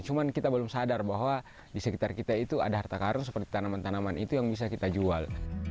cuma kita belum sadar bahwa di sekitar kita itu ada harta karun seperti tanaman tanaman itu yang bisa kita jual